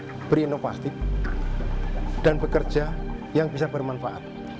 kami memiliki kekuatan yang beroperasi dan bekerja yang bisa bermanfaat